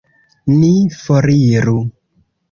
Ni foriru!